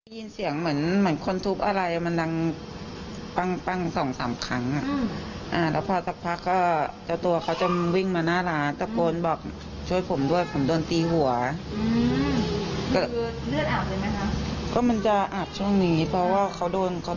ที่เราหันไปเราไม่เห็นแล้วว่าใครทำร้ายเขา